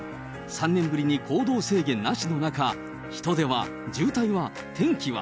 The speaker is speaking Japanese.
３年ぶりに行動制限なしの中、人出は、渋滞は、天気は。